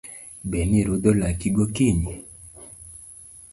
Be nirudho laki gokinyi?